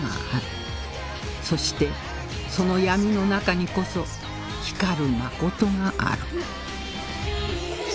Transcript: そしてその闇の中にこそ光る真がある